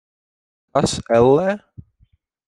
Kas, ellē?